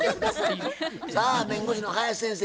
さあ弁護士の林先生